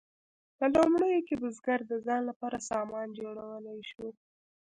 په لومړیو کې بزګر د ځان لپاره سامان جوړولی شو.